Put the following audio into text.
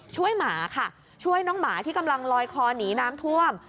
หมาค่ะช่วยน้องหมาที่กำลังลอยคอหนีน้ำท่วม